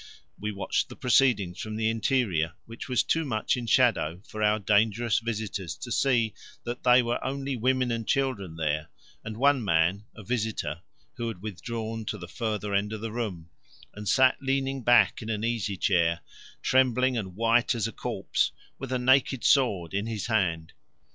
We watched the proceedings from the interior, which was too much in shadow for our dangerous visitors to see that they were only women and children there and one man, a visitor, who had withdrawn to the further end of the room and sat leaning back in an easy chair, trembling and white as a corpse, with a naked sword in his hand.